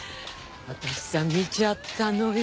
私さ見ちゃったのよ。